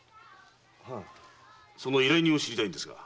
その依頼人を知りたいのですが。